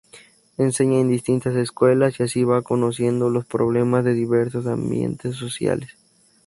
Enseña en distintas escuelas y así va conociendo los problemas de diversos ambientes sociales.